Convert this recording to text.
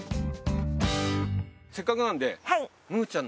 せっかくなんで。